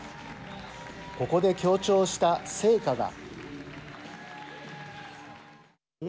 ここで強調した成果が。